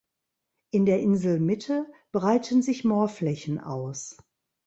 In der Inselmitte breiten sich Moorflächen aus.